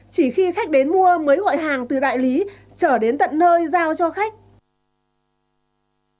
chỉ khi khách đến mua mới gọi hàng từ đại lý trở đến tận nơi giao cho khách